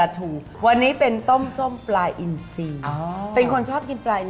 ธรรม